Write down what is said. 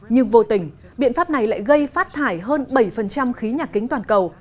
nhưng vô tình biện pháp này lại gây phát thải hơn bảy khí nhà kính toàn cầu